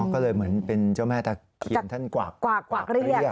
ก็เลยเหมือนเป็นเจ้าแม่ตะเคียนท่านกวากเรียก